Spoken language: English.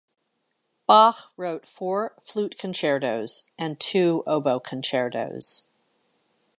Bach wrote four flute concertos and two oboe concertos.